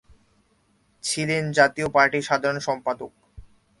ছিলেন জাতীয় পার্টির সাধারণ সম্পাদক।